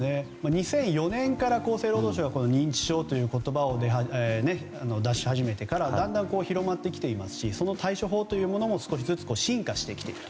２００４年から厚生労働省が認知症という言葉を出し始めてからだんだん広まってきてますしその対処法というのも少しずつ進化してきている。